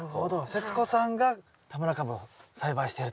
世津子さんが田村かぶを栽培していると。